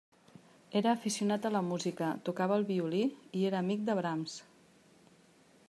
Era aficionat a la música, tocava el violí i era amic de Brahms.